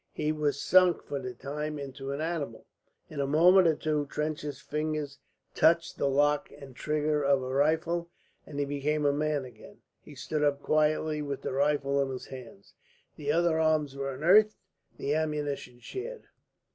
He was sunk for the time into an animal. In a moment or two Trench's fingers touched the lock and trigger of a rifle, and he became man again. He stood up quietly with the rifle in his hands. The other arms were unearthed, the ammunition shared.